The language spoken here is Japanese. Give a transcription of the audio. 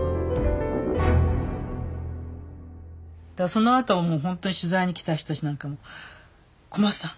そのあとはもうほんとに取材に来た人たちなんかが「小松さん！